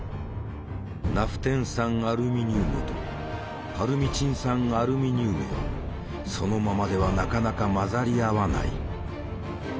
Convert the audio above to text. ナフテン酸アルミニウムとパルミチン酸アルミニウムはそのままではなかなか混ざり合わない。